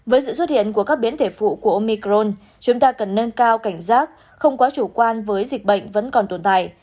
với sự xuất hiện của các biến thể phụ của omicron chúng ta cần nâng cao cảnh giác không quá chủ quan với dịch bệnh vẫn còn tồn tại